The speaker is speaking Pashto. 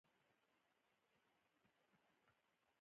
د بهرنیو مرستو ترلاسه کول د هیواد د پرمختګ لپاره اړین دي.